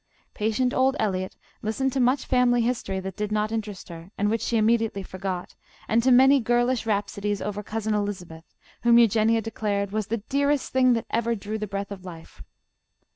Patient old Eliot listened to much family history that did not interest her and which she immediately forgot, and to many girlish rhapsodies over "Cousin Elizabeth," whom Eugenia declared was the dearest thing that ever drew the breath of life.